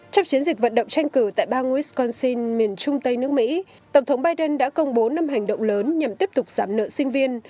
trong chiến dịch vận động tranh cử tại bang wisconsin miền trung tây nước mỹ tổng thống biden đã công bố năm hành động lớn nhằm tiếp tục giảm nợ sinh viên